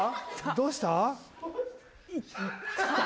どうした？